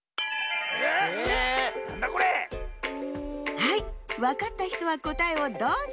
はいわかったひとはこたえをどうぞ！